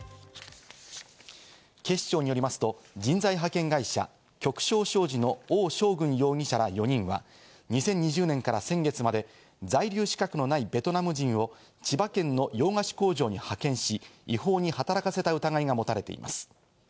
警視庁によりますと、人材派遣会社・旭昇商事のオウ・ショウグン容疑者ら４人は２０２０年から先月まで、在留資格のないベトナム人を千葉県の洋菓子工場に派遣し、違法に働かせた疑いが持たれています。